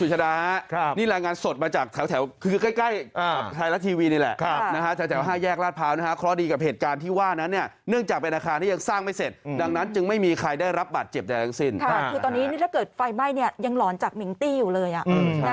แหละนะคะใช้หายแยกราดเภานะฮะคลอดีกับเหตุการณ์ที่ว่านั้นเนี่ยเนื่องจากอาคารที่ยังสร้างไม่เสร็จดังนั้นจึงไม่มีใครได้รับบัตรเจ็บใจทั้งสิ้นค่ะคือตอนนี้ถ้าเกิดไฟไหม้เนี่ยยังหลอนจากมิงตี้อยู่เลยอ่ะ